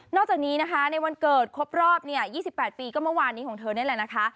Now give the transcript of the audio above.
จากนี้นะคะในวันเกิดครบรอบ๒๘ปีก็เมื่อวานนี้ของเธอนี่แหละนะคะ